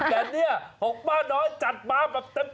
แต่เนี่ย๖ป้าน้อยจัดมาแบบเต็ม